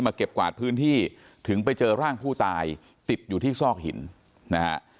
เก็บกวาดพื้นที่ถึงไปเจอร่างผู้ตายติดอยู่ที่ซอกหินนะฮะ